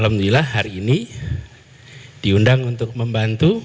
dan alhamdulillah hari ini diundang untuk membantu